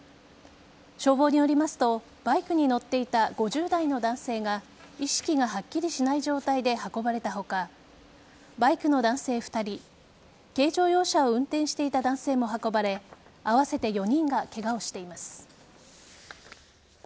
消防によりますとバイクに乗っていた５０代の男性が意識がはっきりしない状態で運ばれた他バイクの男性２人軽乗用車を運転していた男性も運ばれ合わせて４人がケガをしています。